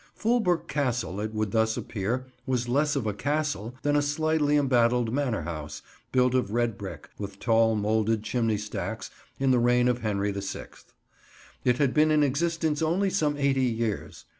Fulbrook Castle, it would thus appear, was less of a castle than a slightly embattled manor house, built of red brick, with tall moulded chimney stacks, in the reign of Henry the Sixth. It had been in existence only some eighty years.